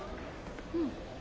うん。